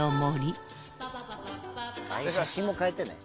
写真も変えてね。